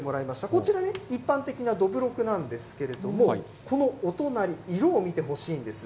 こちらね、一般的などぶろくなんですけれども、このお隣、色を見てほしいんです。